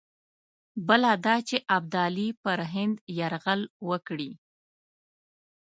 بله دا چې ابدالي پر هند یرغل وکړي.